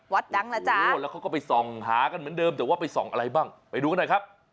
ดังแล้วจ้าโอ้แล้วเขาก็ไปส่องหากันเหมือนเดิมแต่ว่าไปส่องอะไรบ้างไปดูกันหน่อยครับ